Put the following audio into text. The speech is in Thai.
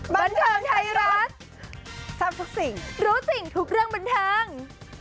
บันเทิงไทยรัฐทราบทุกสิ่งรู้สิ่งทุกเรื่องบันเทิง